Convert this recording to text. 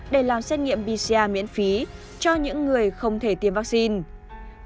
để làm xét nghiệm pcr miễn phí cho những người không thể tiêm vaccine